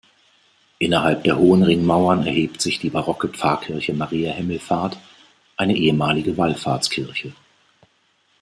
Innerhalb der hohen Ringmauern erhebt sich die barocke Pfarrkirche Mariä Himmelfahrt, eine ehemalige Wallfahrtskirche.